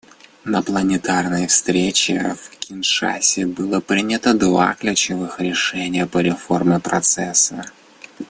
На пленарной встрече в Киншасе было принято два ключевых решения по реформе Процесса.